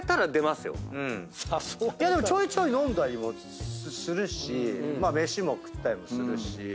でもちょいちょい飲んだりもするし飯も食ったりするし。